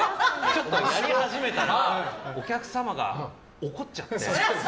ちょっとやり始めたらお客様が怒っちゃって。